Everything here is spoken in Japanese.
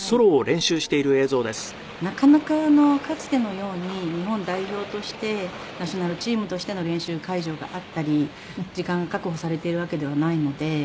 なかなかかつてのように日本代表としてナショナルチームとしての練習会場があったり時間が確保されているわけではないので。